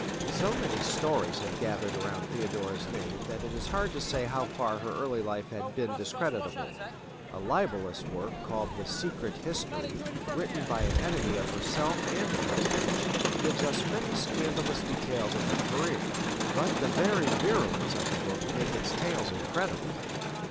So many stories have gathered around Theodora's name that it is hard to say how far her early life had been discreditable. A libellous work called the "Secret History," written by an enemy of herself and her husband,(4) gives us many scandalous details of her career; but the very virulence of the book makes its tales incredible.